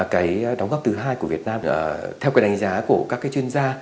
cái đóng góp thứ hai của việt nam theo đánh giá của các chuyên gia